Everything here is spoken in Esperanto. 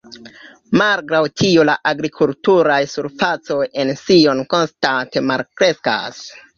Malgraŭ tio la agrikulturaj surfacoj en Sion konstante malkreskas.